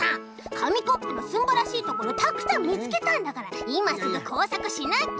かみコップのすんばらしいところたくさんみつけたんだからいますぐこうさくしなきゃ。